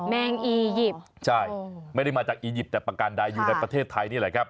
แมงอียิปต์ใช่ไม่ได้มาจากอียิปต์แต่ประการใดอยู่ในประเทศไทยนี่แหละครับ